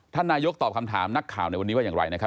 นายกตอบคำถามนักข่าวในวันนี้ว่าอย่างไรนะครับ